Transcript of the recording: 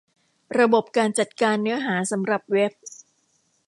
ระบบการจัดการเนื้อหาสำหรับเว็บ